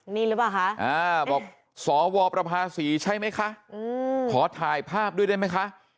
นี่หรือเปล่าคะบอกสวประภาษีใช่ไหมคะขอถ่ายภาพด้วยได้ไหมคะ